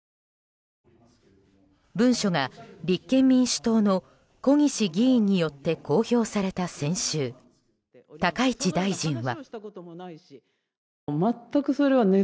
文書が立憲民主党の小西議員によって公表された先週高市大臣は。